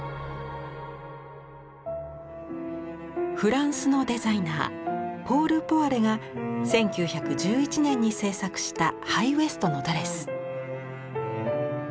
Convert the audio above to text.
フランスのデザイナーポール・ポワレが１９１１年に制作したハイウエストのドレス。